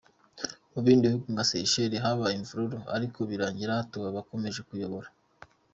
Mu bindi bihugu nka Seychelles, habaye imvururu ariko birangira abatowe bakomeje kuyobora.